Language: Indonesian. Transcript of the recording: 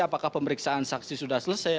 apakah pemeriksaan saksi sudah selesai